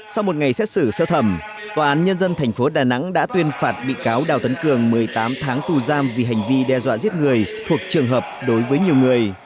sau một ngày xét xử sơ thẩm tòa án nhân dân tp đà nẵng đã tuyên phạt bị cáo đào tấn cường một mươi tám tháng tù giam vì hành vi đe dọa giết người thuộc trường hợp đối với nhiều người